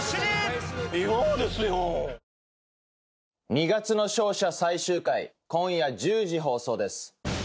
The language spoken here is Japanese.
『二月の勝者』最終回今夜１０時放送です。